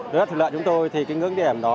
đối với thủy lợi chúng tôi thì cái ngưỡng điểm đó